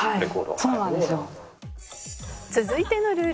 そうなんですよ。